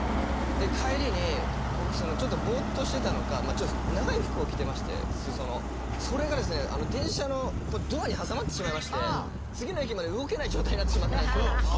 で帰りに僕そのちょっとボッとしてたのか長い服を着てまして裾のそれがですね電車のドアに挟まってしまいまして次の駅まで動けない状態になってしまったんですよ。